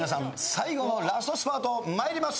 最後のラストスパート。参ります。